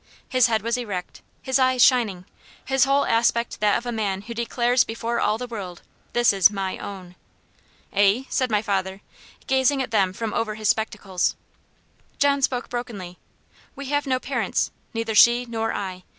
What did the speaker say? His head was erect, his eyes shining his whole aspect that of a man who declares before all the world, "This is MY OWN." "Eh?" said my father, gazing at them from over his spectacles. John spoke brokenly, "We have no parents, neither she nor I.